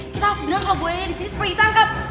kita harus bilang kalau buahnya disini seperti ditangkap